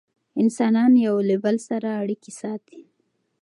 انسانان یو له بل سره اړیکې ساتي.